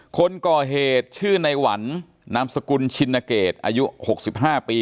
คนก่อเหตุชื่อในหวันนามสกุลชินเกตอายุ๖๕ปี